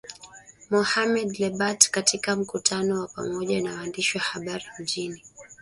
Mohamed Lebatt katika mkutano wa pamoja na waandishi wa habari mjini